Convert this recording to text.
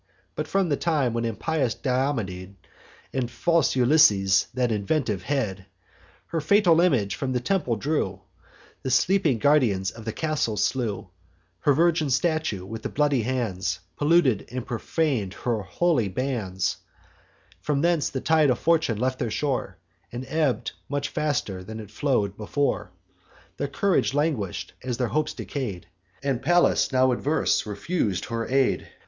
But from the time when impious Diomede, And false Ulysses, that inventive head, Her fatal image from the temple drew, The sleeping guardians of the castle slew, Her virgin statue with their bloody hands Polluted, and profan'd her holy bands; From thence the tide of fortune left their shore, And ebb'd much faster than it flow'd before: Their courage languish'd, as their hopes decay'd; And Pallas, now averse, refus'd her aid.